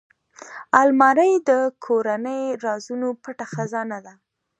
الماري د کورنۍ رازونو پټ خزانه ده